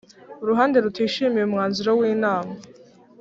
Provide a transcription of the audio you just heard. Uruhande rutishimiye umwanzuro w Inama